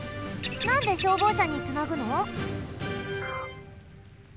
なんで消防車につなぐの？